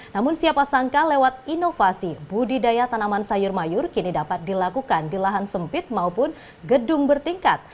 namun siapa sangka lewat inovasi budidaya tanaman sayur mayur kini dapat dilakukan di lahan sempit maupun gedung bertingkat